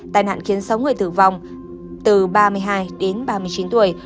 tài nạn khiến sáu người tử vong từ ba mươi hai đến ba mươi chín tuổi